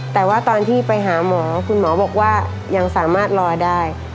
แต่ว่าตอนที่ไปหาหมอคุณหมอบอกว่ายังสามารถรอได้